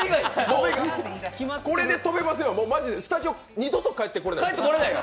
これで飛べませんはマジでスタジオ二度と帰ってこれないですよ。